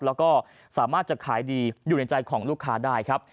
แล้วก็สามารถจะขายดีอยู่ในใจของลูกค้าได้ครับ